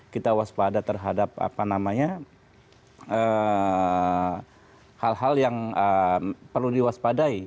kita waspada terhadap hal hal yang perlu diwaspadai